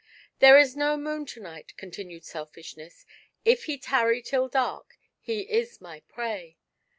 "There is no moon to night," continued Selfishness; " if he tarry till dark, he is my prey.